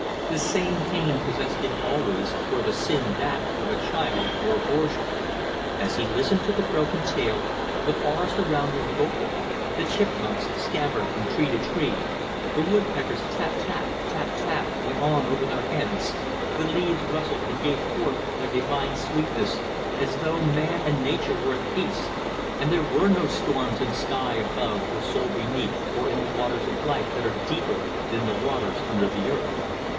The same pain possessed him always, were the sin that of a child or a Borgia. As he listened to the broken tale, the forest around was vocal, the chipmunks scampered from tree to tree, the woodpecker's tap tap, tap tap, went on over their heads, the leaves rustled and gave forth their divine sweetness, as though man and nature were at peace, and there were no storms in sky above or soul beneath, or in the waters of life that are deeper than "the waters under the earth."